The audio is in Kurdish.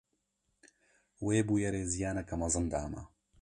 Wê bûyerê ziyaneke mezin da me.